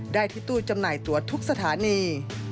ได้ที่ตู้จำหน่ายตัวทุกสถานี